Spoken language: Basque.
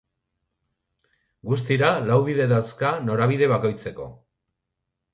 Guztira lau bide dauzka norabide bakoitzeko.